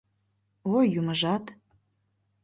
Ой, юмыжат...